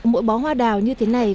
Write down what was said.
mỗi bó hoa đào như thế này